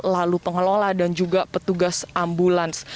lalu pengelola dan juga petugas ambulans